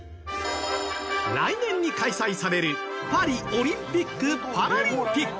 来年に開催されるパリオリンピック・パラリンピック。